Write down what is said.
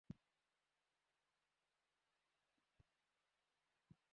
ছকেবাঁধা জীবন থেকে একটু বেরিয়ে এলে দেখবেন জীবনটা আগের মতোই আছে।